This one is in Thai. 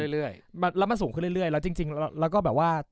เรื่อยแล้วมันสูงขึ้นเรื่อยแล้วจริงแล้วก็แบบว่า